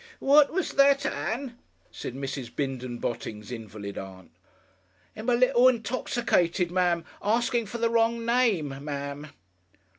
"What was that, Ann?" said Mrs. Bindon Botting's invalid Aunt. "Ge'm a little intoxicated, Ma'am asking for the wrong name, Ma'am."